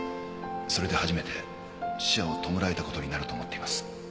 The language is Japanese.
それで初めて死者を弔えた事になると思っています。